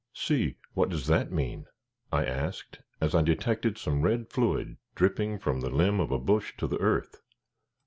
See! what does that mean?" I asked, as I detected some red fluid dripping from the limb of a bush to the earth.